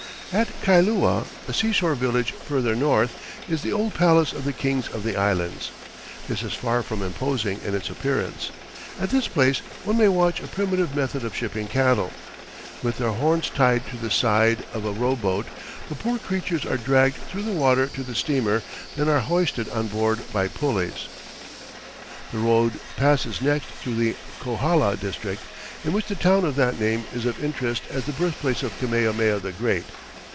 At Kailua, a seashore village further north, is the old palace of the kings of the islands. This is far from imposing in its appearance. At this place one may watch a primitive method of shipping cattle. With their horns tied to the side of a rowboat, the poor creatures are dragged through the water to the steamer, then are hoisted on board by pulleys. The road passes next through the Kohala district, in which the town of that name is of interest as the birthplace of Kamehameha the Great.